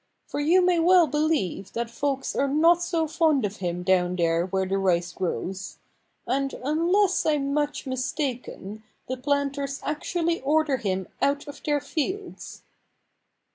For you may well believe that folks are not so fond of him down there where the rice grows. And unless I'm much mistaken the planters actually order him out of their fields."